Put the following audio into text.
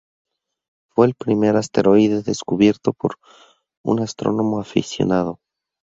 Fue el primer asteroide descubierto por un astrónomo aficionado.